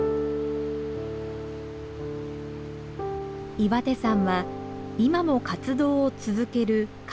岩手山は今も活動を続ける火山です。